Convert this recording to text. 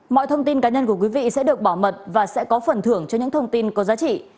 mọi thông tin cá nhân của quý vị sẽ được bảo mật và sẽ có phần thưởng cho những thông tin có giá trị